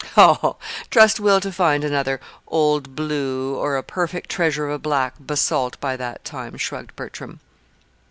"Ho! Trust Will to find another 'Old Blue' or a 'perfect treasure of a black basalt' by that time," shrugged Bertram.